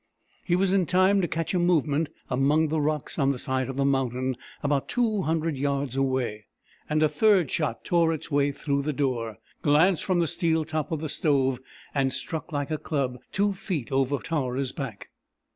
He was in time to catch a movement among the rocks on the side of the mountain about two hundred yards away, and a third shot tore its way through the door, glanced from the steel top of the stove, and struck like a club two feet over Tara's back.